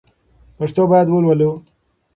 پښتو باید ولولو